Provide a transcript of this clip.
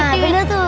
nah bener tuh